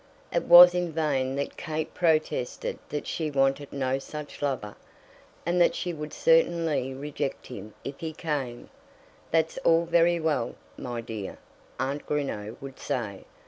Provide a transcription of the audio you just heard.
It was in vain that Kate protested that she wanted no such lover, and that she would certainly reject him if he came. "That's all very well, my dear," Aunt Greenow would say.